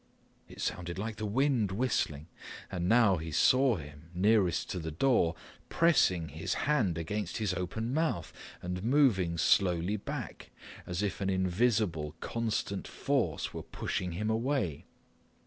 "—it sounded like the wind whistling—and now he saw him, nearest to the door, pressing his hand against his open mouth and moving slowly back, as if an invisible constant force was pushing him away.